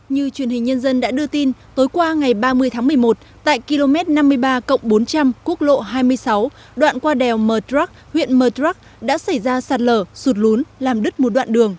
như truyền hình nhân dân đã đưa tin tối qua ngày ba mươi tháng một mươi một tại km năm mươi ba cộng bốn trăm linh quốc lộ hai mươi sáu đoạn qua đèo mờ đắc huyện mờ đắc đã xảy ra sạt lở sụt lún làm đứt một đoạn đường